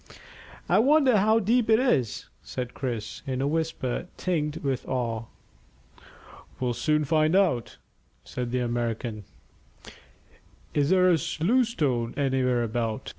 "I wonder how deep it is," said Chris, in a whisper tinged with awe. "We'll soon find that out," said the American. "Is there a loose stone anywhere about?"